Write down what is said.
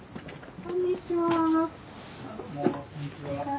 こんにちは。